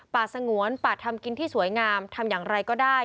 สงวนป่าทำกินที่สวยงามทำอย่างไรก็ได้